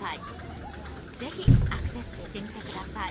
ぜひアクセスしてみて下さい。